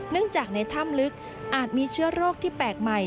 จากในถ้ำลึกอาจมีเชื้อโรคที่แปลกใหม่